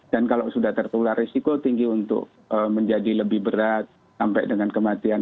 dan kalau sudah tertular risiko tinggi untuk menjadi lebih berat sampai dengan kematian